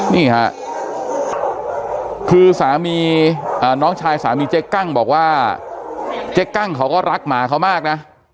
นี่ค่ะคือสามีน้องชายสามีเจ๊กั้งบอกว่าเจ๊กั้งเขาก็รักหมาเขามากนะ